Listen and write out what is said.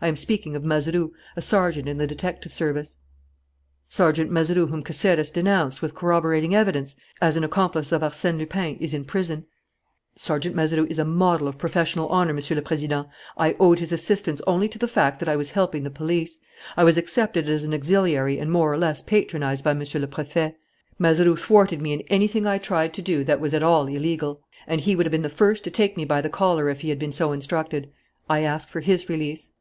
I am speaking of Mazeroux, a sergeant in the detective service." "Sergeant Mazeroux, whom Caceres denounced, with corroborating evidence, as an accomplice of Arsène Lupin, is in prison." "Sergeant Mazeroux is a model of professional honour, Monsieur le Président. I owed his assistance only to the fact that I was helping the police. I was accepted as an auxiliary and more or less patronized by Monsieur le Préfet. Mazeroux thwarted me in anything I tried to do that was at all illegal. And he would have been the first to take me by the collar if he had been so instructed. I ask for his release."